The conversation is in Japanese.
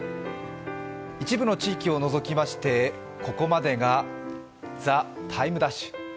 一部の地域を除きまして、ここまでが「ＴＨＥＴＩＭＥ’」。